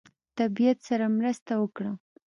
طبیعت سره مرسته وکړه.